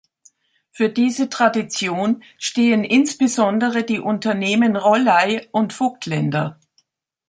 Für diese Tradition stehen insbesondere die Unternehmen Rollei und Voigtländer.